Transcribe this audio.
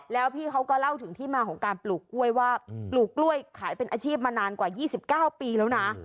แล้วพี่เขาก็เล่าถึงที่มาของการปลูกกล้วยว่าปลูกกล้วยขายเป็นอาชีพมานานกว่า๒๙ปีแล้วนะ